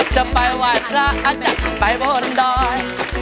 จะไปไหว้พระอาจารย์ไปบนดอย